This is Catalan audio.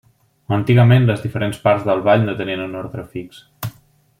Antigament les diferents parts del ball no tenien un ordre fix.